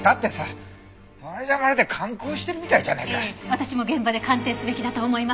私も現場で鑑定すべきだと思います！